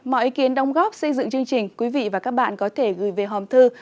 mọi ý kiến đồng góp xây dựng chương trình quý vị và các bạn có thể gửi về hòm thư